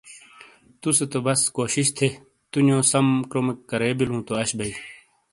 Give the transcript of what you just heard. توسے تو بس کوشش تھے تونیو سم کرومیک کرے بیلوں تو آش بئے